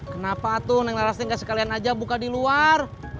kenapa tuh neng larastis nggak sekalian aja buka di luar